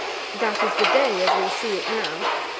That is the day as we see it now.